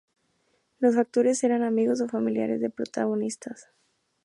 Los actores eran amigos o familiares de los protagonistas.